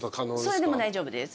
それでも大丈夫です。